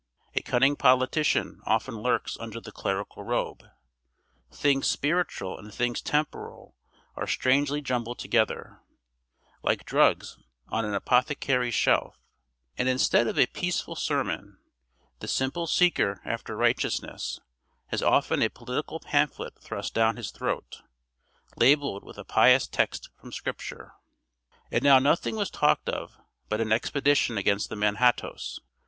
A cunning politician often lurks under the clerical robe; things spiritual and things temporal are strangely jumbled together, like drugs on an apothecary's shelf; and instead of a peaceful sermon, the simple seeker after righteousness has often a political pamphlet thrust down his throat, labeled with a pious text from Scripture. And now nothing was talked of but an expedition against the Manhattoes.